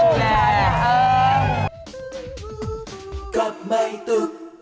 คุณพ่อพร้อมกันแหละ